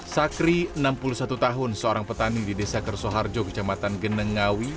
sakri enam puluh satu tahun seorang petani di desa kersoharjo kecamatan genengawi